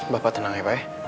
bapak tenang ya pak